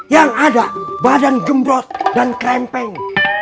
yang ada badan gembrot dan kelempeng